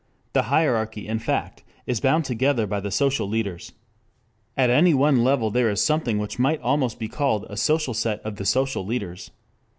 The hierarchy, in fact, is bound together by the social leaders. At any one level there is something which might almost be called a social set of the social leaders.